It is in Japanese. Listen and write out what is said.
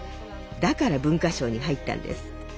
だから文化省に入ったんです。